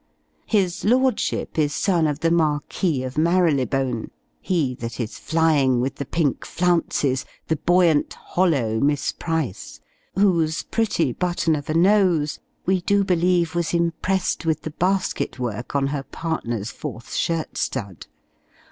His Lordship is son of the Marquis of Mary le bone he that is flying with the pink flounces, the buoyant, hollow, Miss Price, whose pretty button of a nose we do believe was impressed with the basket work on her partner's fourth shirt stud.